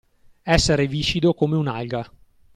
Essere viscido come un'alga.